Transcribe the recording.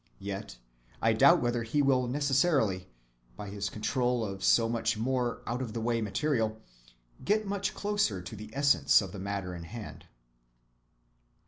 Yet I doubt whether he will necessarily, by his control of so much more out‐of‐the‐way material, get much closer to the essence of the matter in hand.